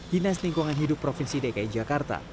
dinas lingkungan hidup provinsi dki jakarta